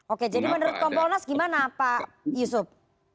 oke jadi menurut kompolnas gimana pak yusuf